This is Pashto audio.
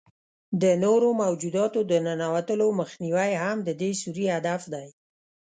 د نورو موجوداتو د ننوتلو مخنیوی هم د دې سوري هدف دی.